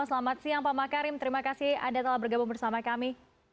selamat siang pak makarim terima kasih anda telah bergabung bersama kami